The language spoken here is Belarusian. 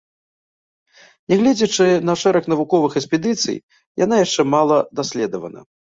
Нягледзячы на шэраг навуковых экспедыцый, яна яшчэ мала даследавана.